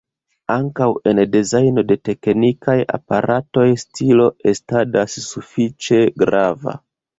Ankaŭ en dezajno de teknikaj aparatoj stilo estadas sufiĉe grava.